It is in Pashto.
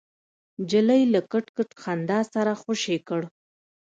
نجلۍ له کټ کټ خندا سره خوشې کړ.